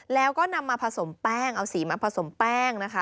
แล้วก็นำมาผสมแป้งเอาสีมาผสมแป้งนะคะ